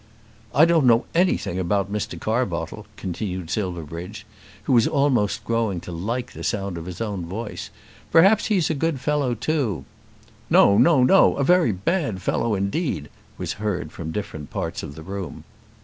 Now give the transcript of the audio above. "I don't know anything about Mr. Carbottle," continued Silverbridge, who was almost growing to like the sound of his own voice. "Perhaps he's a good fellow too." "No; no, no. A very bad fellow indeed," was heard from different parts of the room.